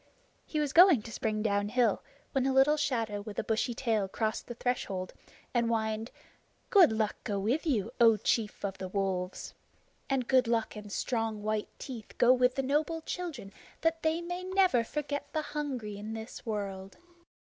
He was going to spring down hill when a little shadow with a bushy tail crossed the threshold and whined: "Good luck go with you, O Chief of the Wolves. And good luck and strong white teeth go with noble children that they may never forget the hungry in this world."